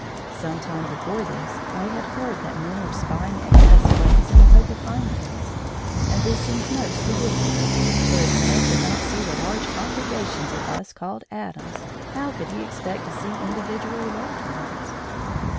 Some time before this I had heard that men were spying at gas flames in the hope of finding us, and this seemed most ridiculous, for if man could not see the large congregations of us called atoms, how could he expect to see individual electrons?